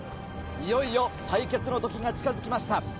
いよいよ対決の時が近づきました。